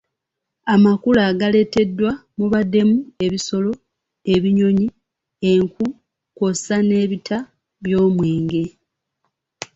Amakula agaleeteddwa mubaddemu ebisolo, ebinyonyi, enku kw’ossa n’ebita by’omwenge.